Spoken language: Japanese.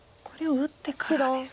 これを打ってから。